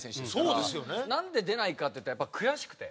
なんで出ないかっていったらやっぱ悔しくて。